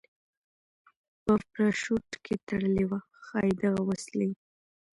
په پراشوټ کې تړلې وه، ښایي دغه وسلې.